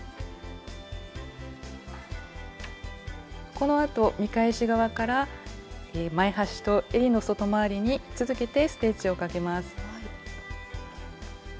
このあと見返し側から前端とえりの外回りに続けてステッチをかけます。